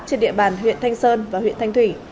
trên địa bàn huyện thanh sơn và huyện thanh thủy